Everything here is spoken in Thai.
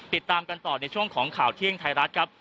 ติดตามกันต่อในช่วงของข่าวเที่ยงไทยรัฐครับ